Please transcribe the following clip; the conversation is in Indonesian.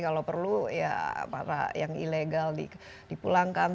kalau perlu ya para yang ilegal dipulangkan